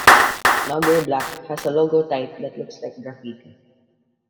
Nogger Black has a logotype that looks like graffiti.